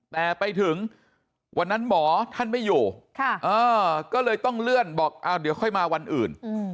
แต่ไปถึงวันนั้นหมอท่านไม่อยู่ก็เลยต้องเลื่อนบอกเดี๋ยวค่อยมาวันอื่น